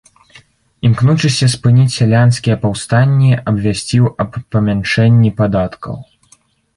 Імкнучыся спыніць сялянскія паўстанні, абвясціў аб памяншэнні падаткаў.